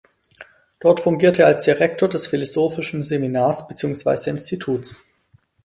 Dort fungierte er als Direktor des Philosophischen Seminars beziehungsweise Instituts.